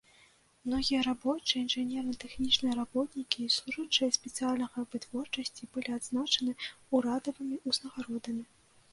Многія рабочыя, інжынерна-тэхнічныя работнікі і служачыя спецыяльнага вытворчасці былі адзначаны ўрадавымі ўзнагародамі.